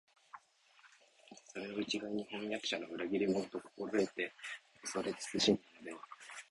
それを一概に「飜訳者は裏切り者」と心得て畏れ謹しんだのでは、